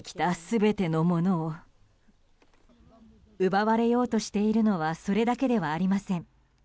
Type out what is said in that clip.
奪われようとしているのはそれだけではありません。